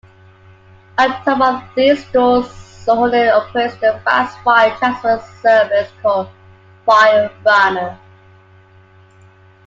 On top of these stores, Sohonet operates a fast file transfer service called FileRunner.